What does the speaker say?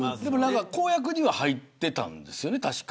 公約には入っていたんですよね、確か。